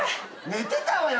寝てたわよ